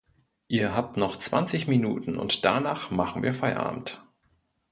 Ihr habt noch zwanzig Minuten und danach machen wir Feierabend.